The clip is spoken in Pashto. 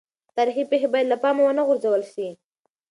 تاریخي پېښې باید له پامه ونه غورځول سي.